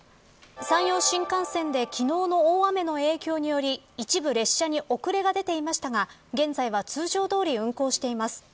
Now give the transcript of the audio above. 山陽新幹線で昨日の大雨の影響により一部列車に遅れが出ていましたが現在は、通常どおり運行しています。